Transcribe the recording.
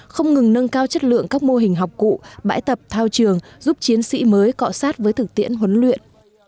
không ngừng nâng cao chất lượng các mô hình học cụ bãi tập thao trường giúp chiến sĩ mới cọ sát với thực tiễn huấn luyện